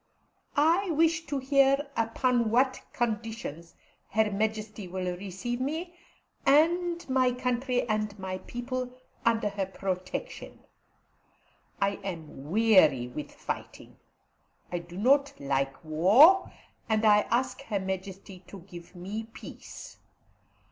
I wish to hear upon what conditions Her Majesty will receive me, and my country and my people, under her protection. I am weary with fighting. I do not like war, and I ask Her Majesty to give me peace.